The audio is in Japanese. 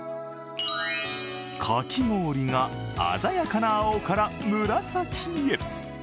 かき氷が鮮やかな青から紫へ。